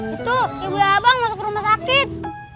itu ibu abang masuk ke rumah sakit